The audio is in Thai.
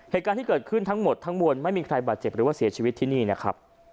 เหตุการณ์ที่เกิดขึ้นทั้งหมดทั้งมวลไม่มีใครบาดเจ็บหรือว่าเสียชีวิตที่นี่นะครับ